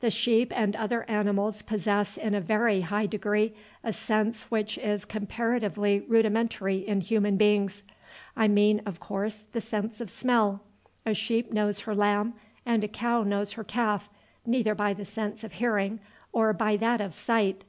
The sheep and other animals possess in a very high degree a sense which is comparatively rudimentary in human beings. I mean, of course, the sense of smell. A sheep knows her lamb, and a cow knows her calf, neither by the sense of hearing or by that of sight.